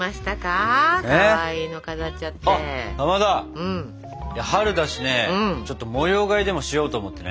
あっかまど春だしねちょっと模様替えでもしようと思ってね。